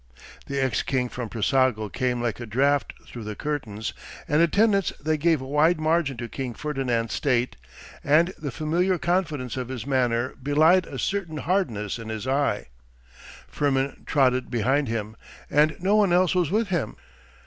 The ex king from Brissago came like a draught through the curtains and attendants that gave a wide margin to King Ferdinand's state, and the familiar confidence of his manner belied a certain hardness in his eye. Firmin trotted behind him, and no one else was with him.